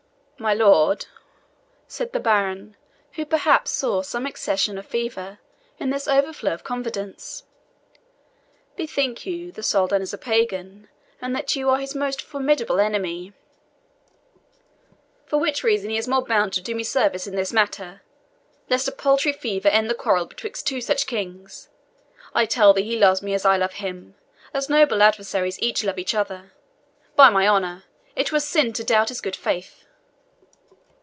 "My lord," said the baron, who perhaps saw some accession of fever in this overflow of confidence, "bethink you, the Soldan is a pagan, and that you are his most formidable enemy " "For which reason he is the more bound to do me service in this matter, lest a paltry fever end the quarrel betwixt two such kings. I tell thee he loves me as I love him as noble adversaries ever love each other. By my honour, it were sin to doubt his good faith!"